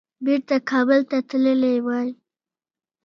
بیرته کابل ته تللي وای.